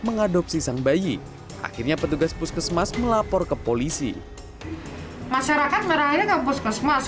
mengadopsi sang bayi akhirnya petugas puskesmas melapor ke polisi masyarakat merahnya ke puskesmas